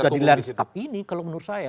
udah di landscape ini kalau menurut saya